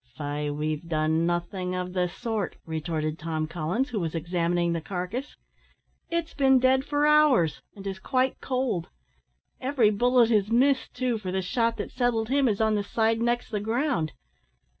"Faix we've done nothing of the sort," retorted Tom Collins, who was examining the carcase. "It's been dead for hours, and is quite cold. Every bullet has missed, too, for the shot that settled him is on the side next the ground.